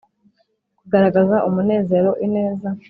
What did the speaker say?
kugaragaza umunezero, ineza,